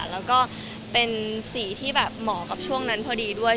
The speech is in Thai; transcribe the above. แล้วก็เป็นสีที่แบบเหมาะกับช่วงนั้นพอดีด้วย